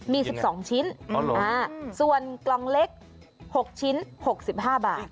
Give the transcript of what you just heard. มีสิบสองชิ้นอ๋อเหรออืมอ่าส่วนกล่องเล็กหกชิ้นหกสิบห้าบาท